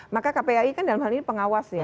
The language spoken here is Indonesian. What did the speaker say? maka kpai kan dalam hal ini pengawas ya